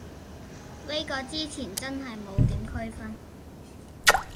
呢個之前真係冇點區分